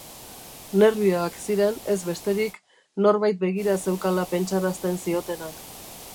Nerbioak ziren, ez besterik, norbait begira zeukala pentsarazten ziotenak.